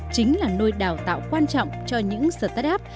chính là nơi đào tạo quan trọng cho những startup